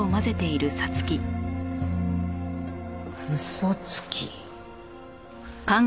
「嘘つき」。